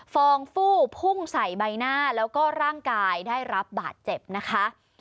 ฟองฟู่พุ่งใส่ใบหน้าแล้วก็ร่างกายได้รับบาดเจ็บนะคะ